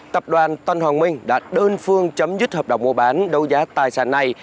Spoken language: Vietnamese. tập đoàn tân hoàng minh đã đơn phương chấm dứt hợp đồng mua bán đấu giá tài sản này